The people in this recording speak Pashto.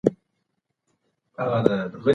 که حساب وي نو پیسې نه کمیږي.